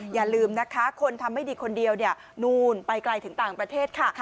อย่าลืมนะคะคนทำไม่ดีคนเดียวเนี่ยนู่นไปไกลถึงต่างประเทศค่ะ